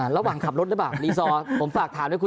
ระหว่างขับรถหรือเปล่ารีซอร์ผมฝากถามด้วยคุณ